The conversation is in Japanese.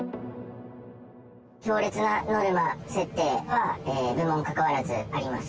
強烈なノルマ設定は部門かかわらずあります。